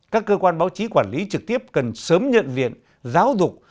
các cơ quan báo chí quản lý trực tiếp cần sớm nhận viện giáo dục